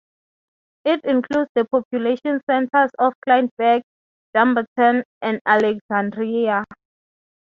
It includes the population centres of Clydebank, Dumbarton and Alexandria.